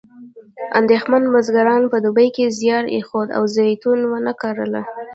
اندېښمن بزګران په دوبي کې زیار ایښود او زیتون ونه کرله.